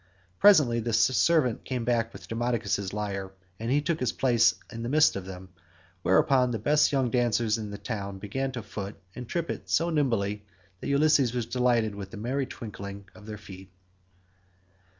Presently the servant came back with Demodocus's lyre, and he took his place in the midst of them, whereon the best young dancers in the town began to foot and trip it so nimbly that Ulysses was delighted with the merry twinkling of their feet.